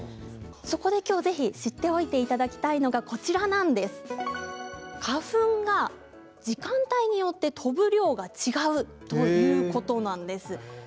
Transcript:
そこで、きょうぜひ知っておいていただきたいのが花粉が時間帯によって飛ぶ量が違うということなんです。